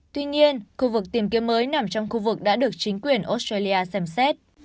tuy nhiên khu vực tìm kiếm mới nằm trong khu vực đã được chính quyền australia xem xét